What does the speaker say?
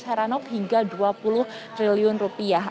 heranok hingga dua puluh triliun rupiah